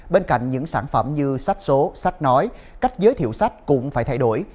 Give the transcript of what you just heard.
bên cạnh những sản phẩm như sách số sách nói cách giới thiệu sách cũng phải thay đổi